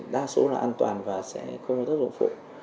đa số là an toàn và sẽ không có thất vọng phụ